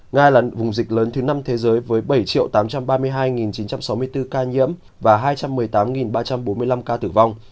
nga là vùng dịch lớn thứ năm thế giới với bảy tám trăm ba mươi hai chín trăm sáu mươi bốn ca nhiễm và hai trăm một mươi tám ba trăm bốn mươi năm ca tử vong